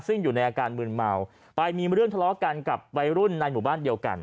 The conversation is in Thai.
ซึ่งอยู่ในอาการมืนเมาไปมีเรื่องทะเลาะกันกับวัยรุ่นในหมู่บ้านเดียวกัน